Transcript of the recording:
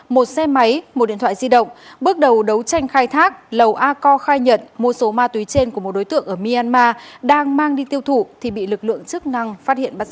một xe máy một điện thoại di động bước đầu đấu tranh khai thác lầu a co khai nhận mua số ma túy trên của một đối tượng ở myanmar đang mang đi tiêu thụ thì bị lực lượng chức năng phát hiện bắt giữ